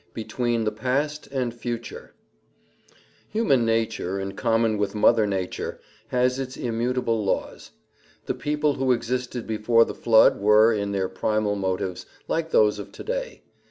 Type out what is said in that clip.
Between the Past and Future Human nature, in common with Mother Nature, has its immutable laws. The people who existed before the flood were, in their primal motives, like those of today.